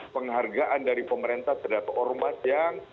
penghargaan dari pemerintah terhadap ormas yang